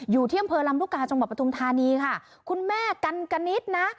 อยู่ที่อำเภอลำลูกกาจังหวัดปทุมธานีค่ะคุณแม่กันกณิตนะ